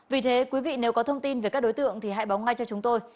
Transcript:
vì thế quý vị nếu có thông tin về các đối tượng thì hãy báo ngay cho chúng tôi